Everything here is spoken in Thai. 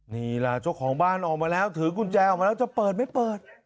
นี่ล่ะเจ้าของบ้านออกมาแล้วถือกุญแจออกมาแล้วจะเปิดไม่เปิด